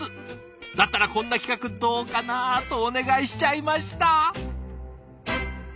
だったらこんな企画どうかなとお願いしちゃいました。